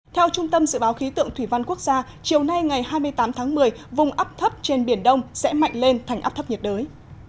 theo trung tâm dự báo khí tượng thủy văn quốc gia chiều nay ngày hai mươi tám tháng một mươi vùng ấp thấp trên biển đông sẽ mạnh lên thành áp thấp nhiệt đới